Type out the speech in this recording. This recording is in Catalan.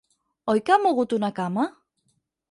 Oi que ha mogut una cama?